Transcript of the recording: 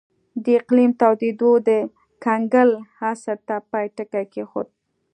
د اقلیم تودېدو د کنګل عصر ته پای ټکی کېښود.